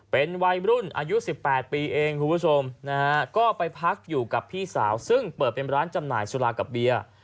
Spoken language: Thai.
เป็นวัยรุ่นอายุ๑๘ปีเองคุณผู้ชมนะฮะก็ไปพักอยู่กับพี่สาวซึ่งเปิดเป็นร้านจำหน่ายสุรากับเบียร์